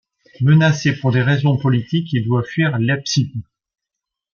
Menacé pour des raisons politiques, il doit fuir à Leipzig.